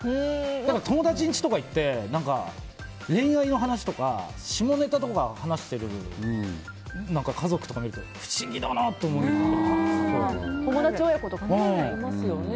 友達ん家とか行って恋愛の話とか下ネタの話をしてる家族とかを見ると友達親子とかいますよね。